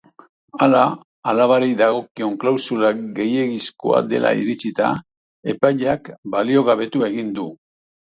Hala, abalari dagokion klausula gehiegizkoa dela iritzita, epaileak baliogabetu egin du.